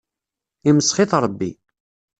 Imsex-it Ṛebbi.